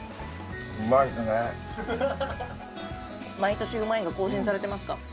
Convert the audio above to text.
毎年うまいが更新されてますか？